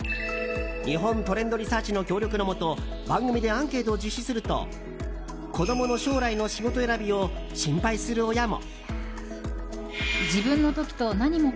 日本トレンドリサーチの協力のもと番組でアンケートを実施すると子供の将来の仕事選びを心配する親も。